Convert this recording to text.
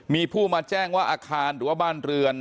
มีผู้มาแจ้งว่าอาคารหรือว่าบ้านเรือน